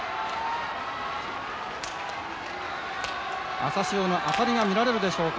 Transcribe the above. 朝潮のあたりが見られるでしょうか。